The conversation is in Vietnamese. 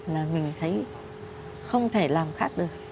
là mình thấy không thể làm khác được